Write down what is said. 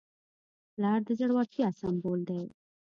پلار د زړورتیا سمبول دی.